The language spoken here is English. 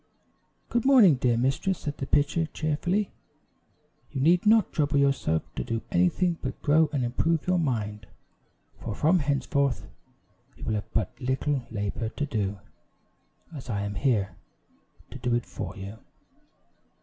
"Good morning, dear mistress," said the pitcher, cheerfully; "you need not trouble yourself to do anything but grow and improve your mind; for from henceforth you will have but little labor to do, as I am here to do it for you."